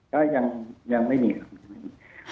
ก็ยังไม่มีครับ